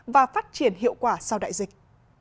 và phát triển hiệu quả sau đại dịch